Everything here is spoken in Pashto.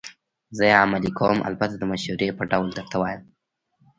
زه یې عملي کوم، البته د مشورې په ډول درته وایم.